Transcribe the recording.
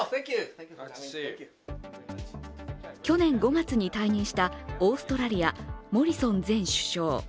去年５月に退任したオーストラリア・モリソン前首相。